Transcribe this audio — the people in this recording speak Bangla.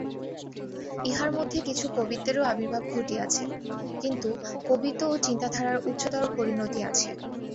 ইহার মধ্যে কিছু কবিত্বেরও আবির্ভাব ঘটিয়াছে, কিন্তু কবিত্ব ও চিন্তাধারার উচ্চতর পরিণতি আছে।